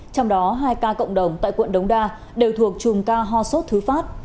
trong đó hai ca cộng đồng tại quận đống đa đều thuộc chùm ca ho sốt thứ phát